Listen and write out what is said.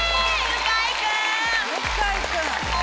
向井君。